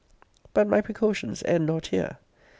But my precautions end not here.